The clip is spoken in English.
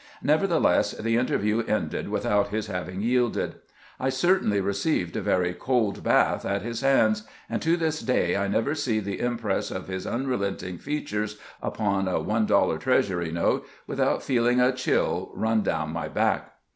Nevertheless, the interview ended without his having yielded. I certainly received a very cold bath at his hands, and to this day I never see the impress of his unrelenting features upon a one dollar treasury note without feeling a chiU run down my back.